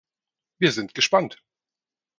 Wir sind gespannt!